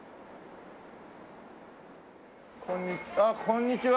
こんにちは。